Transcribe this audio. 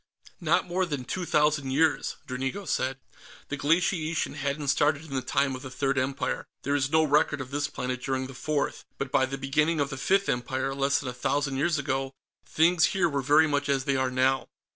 "Not more than two thousand years," Dranigo said. "The glaciation hadn't started in the time of the Third Empire. There is no record of this planet during the Fourth, but by the beginning of the Fifth Empire, less than a thousand years ago, things here were very much as they are now."